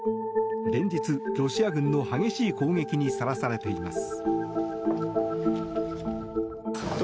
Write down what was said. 連日、ロシア軍の激しい攻撃にさらされています。